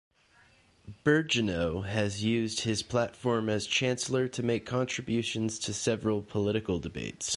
Birgeneau has used his platform as Chancellor to make contributions to several political debates.